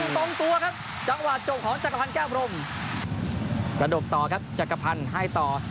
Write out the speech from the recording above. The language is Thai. ตรงตัวครับจังหวะจบของจักรพันธ์แก้วพรมระดมต่อครับจักรพันธ์ให้ต่อ